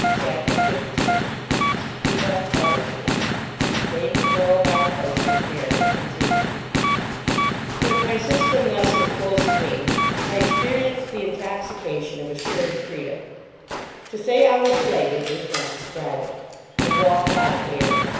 CHAPTER 15 EVA EVERSLEIGH (James Orlebar Cloyster's narrative continued) With my system thus in full swing I experienced the intoxication of assured freedom. To say I was elated does not describe it. I walked on air.